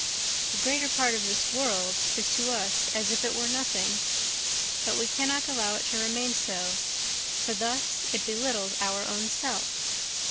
The greater part of this world is to us as if it were nothing. But we cannot allow it to remain so, for thus it belittles our own self.